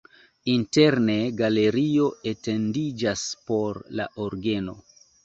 Interne galerio etendiĝas por la orgeno.